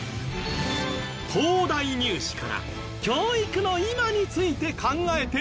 東大入試から教育の今について考えてみよう